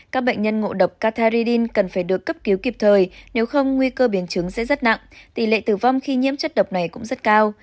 các bệnh nhân ngộ độc cathary cần phải được cấp cứu kịp thời nếu không nguy cơ biến chứng sẽ rất nặng tỷ lệ tử vong khi nhiễm chất độc này cũng rất cao